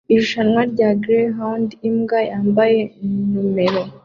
Irushanwa Greyhound imbwa yambaye numero